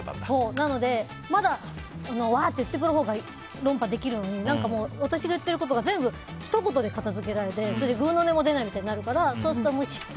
まだわーって言ってくるほうが論破できるのに私が言っていることがひと言で片づけられてぐうの音も出ないみたいになるからそうすると無視。